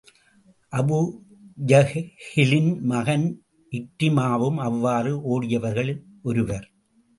அபூஜஹிலின் மகன் இக்ரிமாவும், அவ்வாறு ஓடியவர்களில் ஒருவர்.